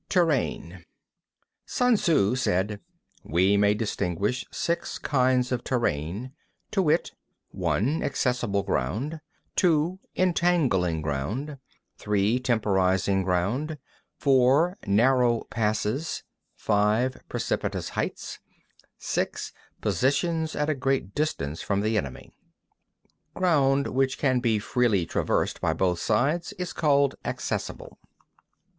X. TERRAIN 1. Sun Tzŭ said: We may distinguish six kinds of terrain, to wit: (1) Accessible ground; (2) entangling ground; (3) temporising ground; (4) narrow passes; (5) precipitous heights; (6) positions at a great distance from the enemy. 2. Ground which can be freely traversed by both sides is called accessible.